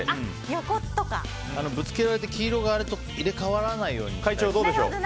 ぶつけられて黄色と入れ替わらないように。